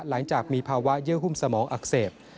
หลังจากมีภาวะเยื่อหุ้มสมองอักเสบ